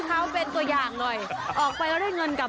นั่นไงคุณค่ะ